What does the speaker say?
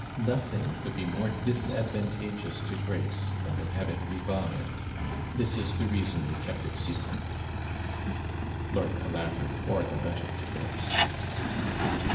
Nothing could be more disadvantageous to Grace than to have it revived: this is the reason we kept it secret. Lord Colambre tore the letter to bits.